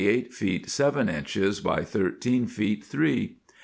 eight feet seven inches, by thirteen feet three.